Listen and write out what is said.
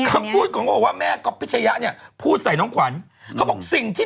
อันนี้คือเป็นคำพูดของใครอย่างนี้